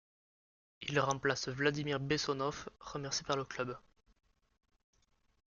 Il remplace Vladimir Bessonov, remercié par le club.